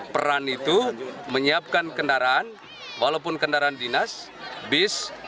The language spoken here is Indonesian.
peran itu menyiapkan kendaraan walaupun kendaraan dinas bis